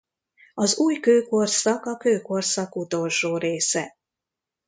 Az újkőkorszak a kőkorszak utolsó része.